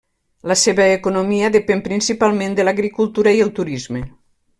La seva economia depèn principalment de l'agricultura i el turisme.